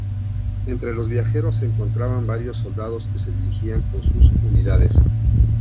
Entre los viajeros se encontraban varios soldados que se dirigían con sus unidades.